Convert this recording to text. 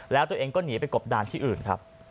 แล้วตัวเองก็หนีไปกบดานที่อื่นครับ